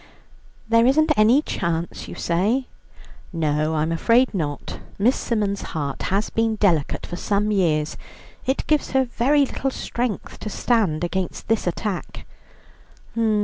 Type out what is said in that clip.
"There isn't any chance, you say." "No, I am afraid not. Miss Symons' heart has been delicate for some years; it gives her very little strength to stand against this attack."